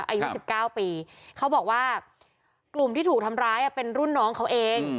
อายุ๑๙ปีเขาบอกว่ากลุ่มที่ถูกทำร้ายเป็นรุ่นน้องเขาเอง